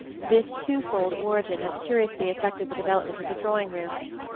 This twofold origin has curiously affected the development of the drawing room.